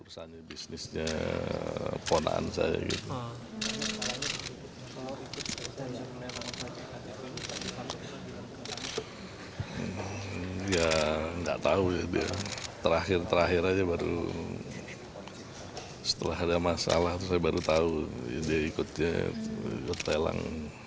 saya baru setelah ada masalah saya baru tahu dia ikutnya ikut lelang